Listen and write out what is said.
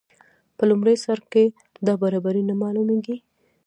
په لومړي سر کې دا برابري نه معلومیږي.